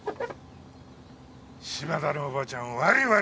島田のおばちゃん悪ぃ悪ぃ。